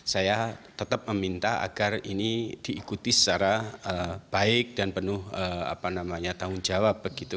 saya tetap meminta agar ini diikuti secara baik dan penuh tanggung jawab begitu